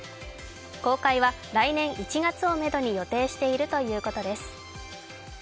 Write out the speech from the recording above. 公開は来年１月をめどに予定しているということです。